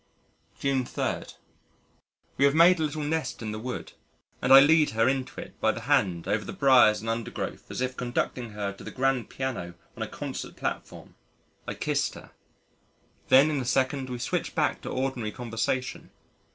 June 3. We have made a little nest in the wood and I lead her into it by the hand over the briars and undergrowth as if conducting her to the grand piano on a concert platform. I kissed her.... Then in a second we switch back to ordinary conversation.